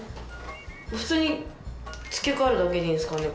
普通に付け替えるだけでいいんですかね？